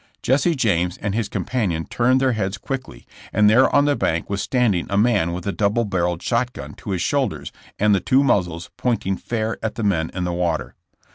'' Jesse James and his companion turned their heads quickly, and there on the bank was standing a man with a double barreled shot gun to his shoulders and the two muzzles pointing fair at the men in the water.